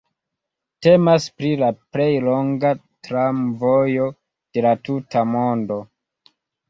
Temas pri la plej longa tramvojo de la tuta mondo.